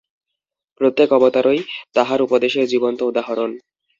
প্রত্যেক অবতারই তাঁহার উপদেশের জীবন্ত উদাহরণ।